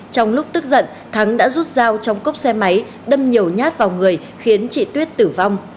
trong lúc tức giận thắng đã rút dao trong cốc xe máy đâm nhiều nhát vào người khiến chị tuyết tử vong